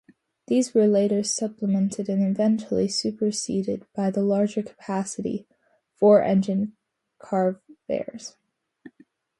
These were later supplemented and eventually superseded by the larger-capacity, four-engined Carvairs.